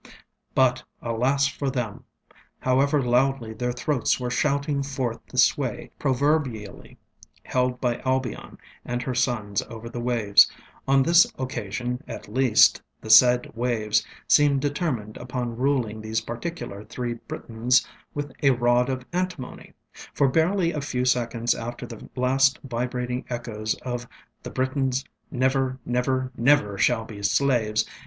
ŌĆØ But, alas for them! however loudly their throats were shouting forth the sway proverbially held by Albion and her sons over the waves, on this occasion at least the said waves seemed determined upon ruling these particular three Britons with a rod of antimony; for barely a few seconds after the last vibrating echoes of the ŌĆ£Britons never, never, never shall be slaves!